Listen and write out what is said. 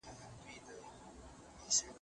دا څېړنه د مسایلو په پوهیدلو کي مرسته کوي.